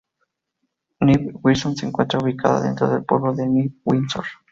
New Windsor se encuentra ubicada dentro del pueblo de New Windsor.